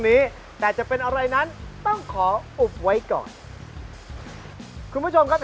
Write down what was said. นี้แต่จะเป็นอะไรนั้นต้องขออุบไว้ก่อนคุณผู้ชมครับ